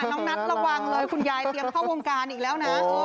น้องนัทระวังเลยคุณยายเตรียมเข้าวงการอีกแล้วนะ